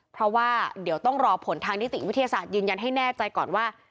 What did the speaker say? เพราะว่าเดี๋ยวต้องรอผลทางนิติวิทยาศาสตร์ยืนยันให้แน่ใจก่อนว่า